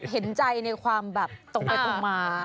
เห็นใจในความแบบตรงไปตรงมา